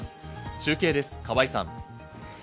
中継です、川合さん。